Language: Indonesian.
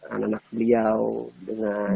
anak beliau dengan